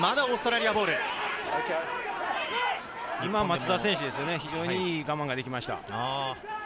今、松田選手、非常にいい我慢ができました。